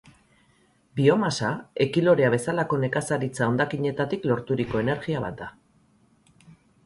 Biomasa, ekilorea bezalako nekazaritza hondakinetatik lorturiko energia bat da.